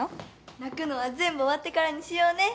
泣くのは全部終わってからにしようね。